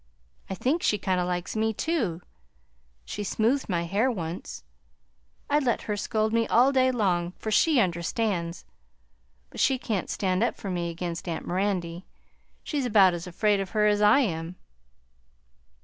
I think she kind of likes me, too; she smoothed my hair once. I'd let her scold me all day long, for she understands; but she can't stand up for me against aunt Mirandy; she's about as afraid of her as I am."